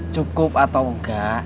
cukup atau enggak